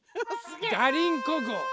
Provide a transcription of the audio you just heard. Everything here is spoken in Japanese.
ガリンコ号。